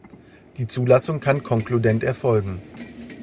Die Zulassung kann konkludent erfolgen.